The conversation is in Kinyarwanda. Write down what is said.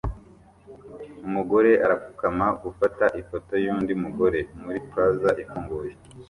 Umugore arapfukama gufata ifoto yundi mugore muri plaza ifunguye